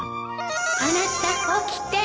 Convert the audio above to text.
あなた起きて